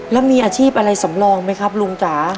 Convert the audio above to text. แล้วมีอาชีพอะไรสำรองไหมครับลุงจ๋า